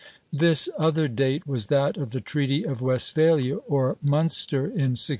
This other date was that of the Treaty of Westphalia, or Munster, in 1648.